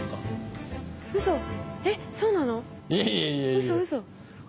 うそうそ？